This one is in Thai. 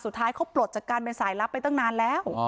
สุดท้ายเขาปลดจากการเป็นสายลับไปตั้งนานแล้ว